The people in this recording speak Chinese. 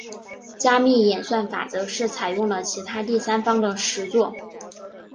加密演算法则是采用了其他第三方的实作。